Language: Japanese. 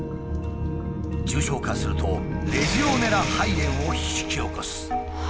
重症化するとレジオネラ肺炎を引き起こす。